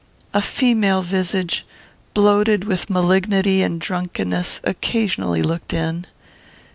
"A female visage, bloated with malignity and drunkenness, occasionally looked in.